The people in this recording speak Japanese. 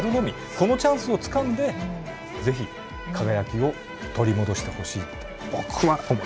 このチャンスをつかんで是非輝きを取り戻してほしいって僕は思いますね。ですね。